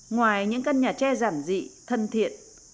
ngoài những căn nhà tre giảm dị thân thiện